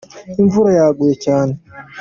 Imvura yaguye cyane.